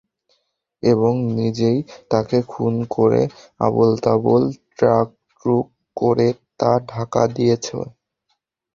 এবং নিজেই তাকে খুন করে, আবলতাবল ট্রাক-ট্রুক করে তা ঢাকা দিয়েছ।